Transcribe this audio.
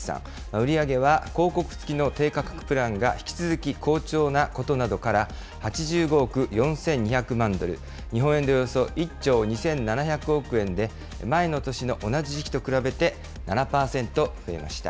売り上げは広告付きの低価格プランが引き続き好調なことなどから、８５億４２００万ドル、日本円でおよそ１兆２７００億円で、前の年の同じ時期と比べて７％増えました。